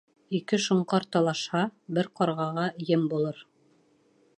Ике шоңҡар талашһа, бер ҡарғаға ем булыр.